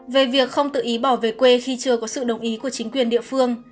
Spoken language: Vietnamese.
về việc không tự ý bỏ về quê khi chưa có sự đồng ý của chính quyền địa phương